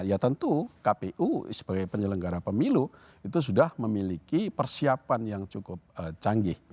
ya tentu kpu sebagai penyelenggara pemilu itu sudah memiliki persiapan yang cukup canggih